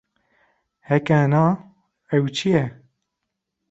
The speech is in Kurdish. Heke na, ev çi ye?